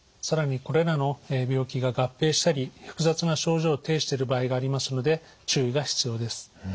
更にこれらの病気が合併したり複雑な症状を呈している場合がありますので注意が必要です。